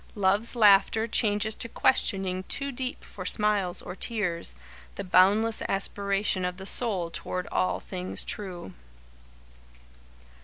Love's laughter changes to questioning too deep for smiles or tears the boundless aspiration of the soul toward all things true.